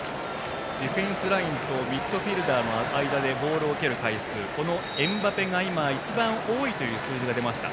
ディフェンスラインとミッドフィールダーの間でボールを受ける回数、エムバペが一番多いという数字が出ました。